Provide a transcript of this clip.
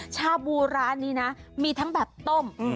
ชาบูร้านนี้นะมีทั้งแบบต้ม